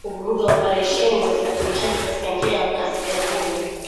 linaweza kuvuruga oparesheni za usafirishaji katika njia ya kaskazini